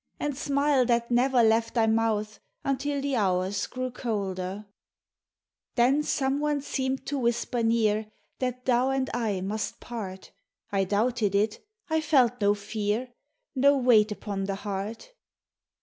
And smile that never left thy mouth lutil the Hours grew colder: Then some one seemed to whisper near That thou and I must part ; I doubted it; I felt no fear, No weight upon the heart.